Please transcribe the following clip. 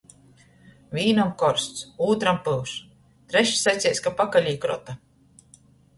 Vīnam korsts, ūtram pyuš, trešs saceis, ka pakalī krota.